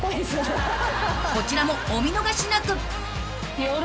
［こちらもお見逃しなく］